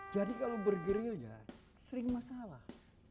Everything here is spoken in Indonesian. jadi kalau bergerilnya sering masalah